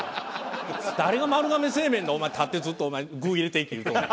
誰が丸亀製麺のお前立ってずっとお前具入れていけ言うとんねん。